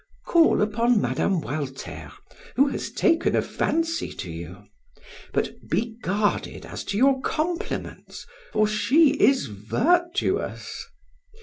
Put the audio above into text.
"Call upon Mme. Walter who has taken a fancy to you. But be guarded as to your compliments, for she is virtuous.